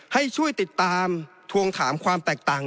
ให้ช่วยติดตามทวงถามความแตกต่าง